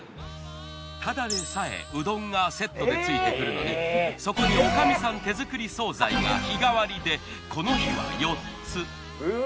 ただでさえうどんがセットで付いてくるのにそこに女将さん手作り惣菜が日替わりでこの日は４つ。